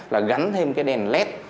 là gắn thêm cái đèn led